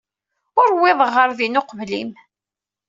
Ur uwiḍeɣ ɣer din uqbel-im.